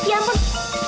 eh ya ampun